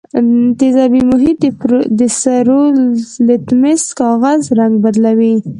تیزابي محیط د سرو لتمس کاغذ رنګ بدلوي.